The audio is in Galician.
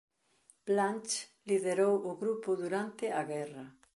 Blanch liderou o grupo durante a guerra.